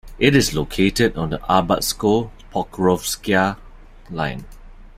It is located on the Arbatsko-Pokrovskaya Line.